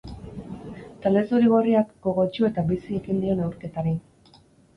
Talde zuri-gorriak gogotsu eta bizi ekin dio neurketari.